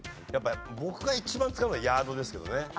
やっぱり僕が一番使うのはヤードですけどね。